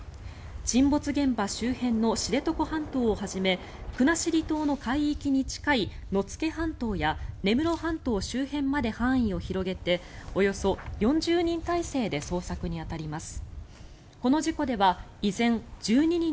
沈没現場周辺の知床半島をはじめ国後島の海域に近い野付半島や根室半島周辺まで範囲を広げておよそ４０人態勢で捜索に当たります。